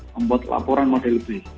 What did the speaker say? membuat laporan model b